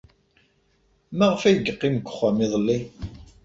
Maɣef ay yeqqim deg uxxam iḍelli?